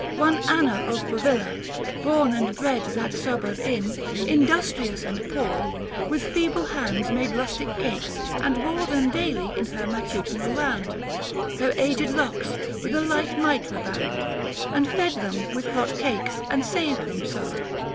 One Anna of Bovilla — born and bred 715 That suburb in ; industrious and poor, With feeble hands made rustic cakes, and bore Them daily in her matutinal round, Her aged locks with a light mitra bound, And fed them with hot cakes and saved them so.